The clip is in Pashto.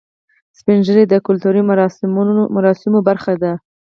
سپین ږیری د کلتوري مراسمو برخه دي